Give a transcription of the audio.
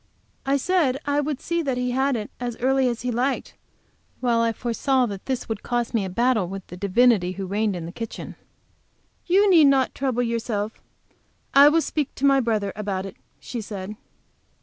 I said I would see that he had it as early as he liked, while I foresaw that this would cost me a battle with the divinity who reigned in the kitchen. "You need not trouble yourself. I will speak to my brother about it," she said.